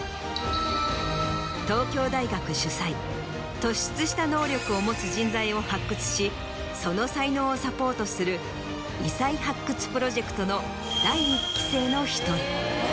東京大学主催突出した能力を持つ人材を発掘しその才能をサポートする異才発掘プロジェクトの。